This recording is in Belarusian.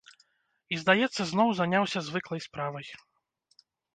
І, здаецца, зноў заняўся звыклай справай.